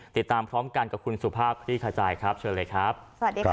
ติดตามพร้อมกันกับคุณสุภาพคลี่ขจายครับเชิญเลยครับสวัสดีครับ